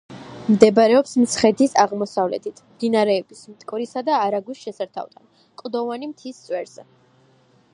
მდებარეობს მცხეთის აღმოსავლეთით, მდინარეების მტკვრისა და არაგვის შესართავთან, კლდოვანი მთის წვერზე.